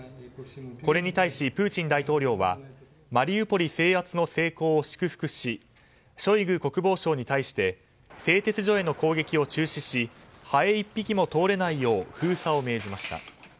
これに対し、プーチン大統領はマリウポリ制圧の成功を祝福しショイグ国防相に対して製鉄所への攻撃を中止しハエ１匹も通れないよう封鎖を命じました。